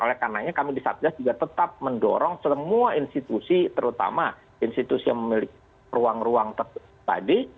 oleh karenanya kami di satgas juga tetap mendorong semua institusi terutama institusi yang memiliki ruang ruang tadi